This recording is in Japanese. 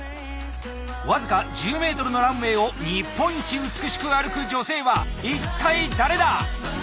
僅か１０ｍのランウェイを日本一美しく歩く女性は一体誰だ⁉